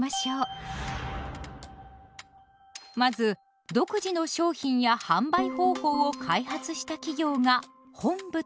まず独自の商品や販売方法を開発した企業が本部となります。